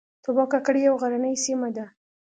توبه کاکړۍ یوه غرنۍ سیمه ده